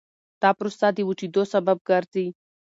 دا پروسه د وچېدو سبب ګرځي.